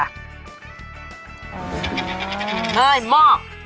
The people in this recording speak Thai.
เฮ้ยหมอก